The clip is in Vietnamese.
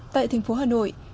tại thành phố hà nội